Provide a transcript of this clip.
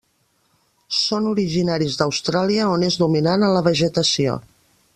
Són originaris d'Austràlia on és dominant en la vegetació.